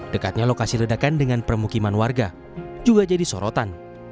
dekatnya lokasi ledakan dengan permukiman warga juga jadi sorotan